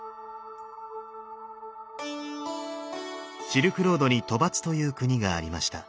シルクロードに兜跋という国がありました。